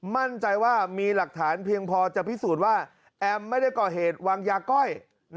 มั่นใจว่ามีหลักฐานเพียงพอจะพิสูจน์ว่าแอมไม่ได้ก่อเหตุวางยาก้อย